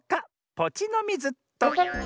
ポチのミズっと。